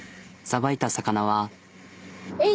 さばいた魚は。